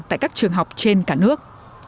tại các trường học trên cả nước